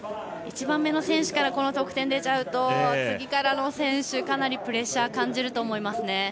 １番目の選手からこの得点が出ると次からの選手、かなりプレッシャー感じると思いますね。